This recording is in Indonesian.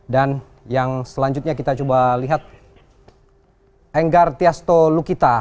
dan yang selanjutnya kita coba lihat enggar tiasto lukita